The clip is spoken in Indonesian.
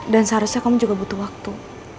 dan seharusnya kamu juga butuh waktu